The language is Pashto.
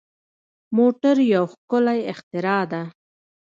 موټر یو ښکلی اختراع ده.